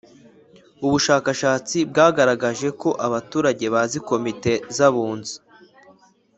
Ubushakashatsi bwagaragaje ko abaturage bazi Komite z’Abunzi